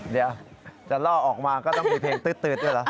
เดี๋ยวจะล่อออกมาก็ต้องมีเพลงตื๊ดด้วยเหรอ